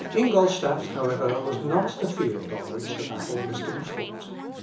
Ingolstadt, however, was not the field on which the battle was to be fought.